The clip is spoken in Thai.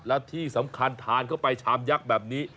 แล้วที่สำคัญทานเข้าไปชามยักษ์แบบนี้